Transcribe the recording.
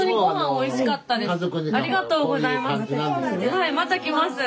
はいまた来ます。